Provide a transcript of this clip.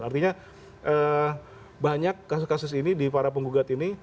artinya banyak kasus kasus ini di para penggugat ini